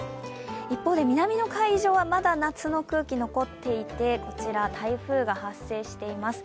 一方で南の海上はまだ夏の空気が残っていて、こちら、台風が発生しています。